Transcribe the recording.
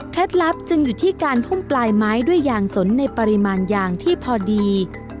ลับจึงอยู่ที่การพุ่มปลายไม้ด้วยยางสนในปริมาณยางที่พอดี